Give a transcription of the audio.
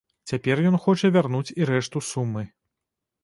Цяпер ён хоча вярнуць і рэшту сумы.